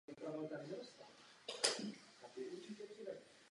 Dámy a pánové, toto není ojedinělý případ.